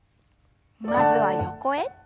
まずは横へ。